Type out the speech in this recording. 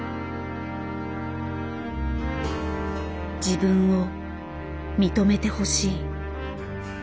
自分を認めてほしい。